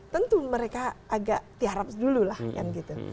tentu mereka agak tiarap dulu lah kan gitu